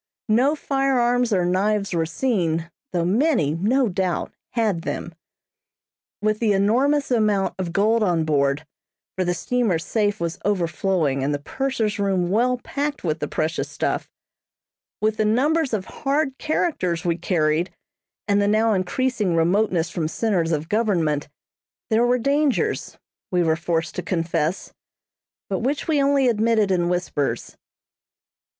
No firearms or knives were seen, though many, no doubt, had them. With the enormous amount of gold on board (for the steamer's safe was overflowing, and the purser's room well packed with the precious stuff), with the numbers of hard characters we carried, and the now increasing remoteness from centres of government, there were dangers, we were forced to confess, but which we only admitted in whispers.